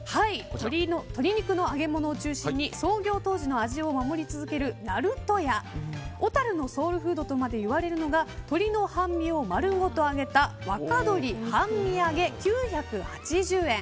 鶏肉の揚げ物を中心に創業当時の味を守り続けるなると屋、小樽のソウルフードとまで言われるのが鶏の半身を丸ごと揚げた若鶏半身揚げ、９８０円。